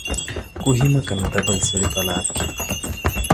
کوهي مه کنه د بل سړي په لار کې